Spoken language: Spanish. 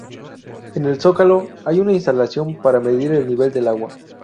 En el zócalo hay una instalación para medir el nivel del agua.